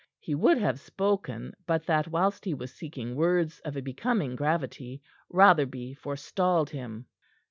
He would have spoken, but that whilst he was seeking words of a becoming gravity, Rotherby forestalled him.